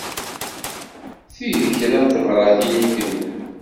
Ti d kra n tebṛatin i kenwi.